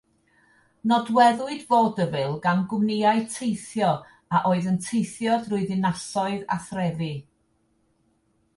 Nodweddwyd Vaudeville gan gwmnïau teithio a oedd yn teithio trwy ddinasoedd a threfi.